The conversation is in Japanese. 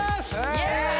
イエーイ！